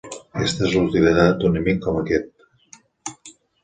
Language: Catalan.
Aquesta és la utilitat d'un amic com aquest.